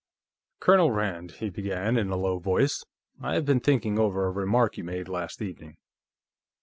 "Colonel Rand," he began, in a low voice, "I have been thinking over a remark you made, last evening.